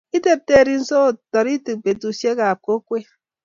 Kitirirenso taritik barakutit ab kokwet